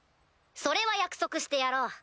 それは約束してやろう。